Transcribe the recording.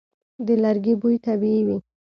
د لرګي بوی طبیعي وي.